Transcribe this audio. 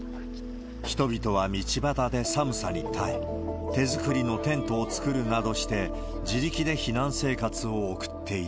人々は道端で寒さに耐え、手作りのテントを作るなどして、自力で避難生活を送っていた。